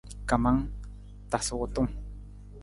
Kamang, tasa wutung.